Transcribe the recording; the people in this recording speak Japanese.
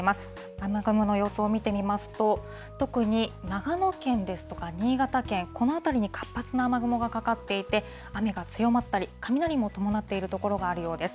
雨雲の様子を見てみますと、特に長野県ですとか新潟県、この辺りに活発な雨雲がかかっていて、雨が強まったり、雷を伴っている所もあるようです。